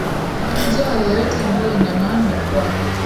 njia yeyote ambayo ina maana kwa